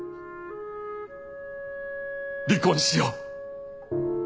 離婚しよう。